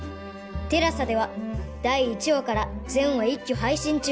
ＴＥＬＡＳＡ では第１話から全話一挙配信中